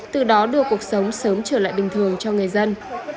từ đó đưa cuộc sống sớm trở lại bình thường cho người dân